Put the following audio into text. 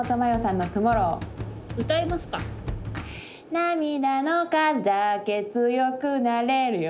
「涙の数だけ強くなれるよ」